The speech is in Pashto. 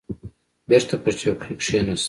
بېرته پر چوکۍ کښېناست.